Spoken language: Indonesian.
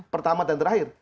pertama dan terakhir